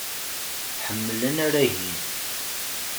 Ḥemmel anarag-im!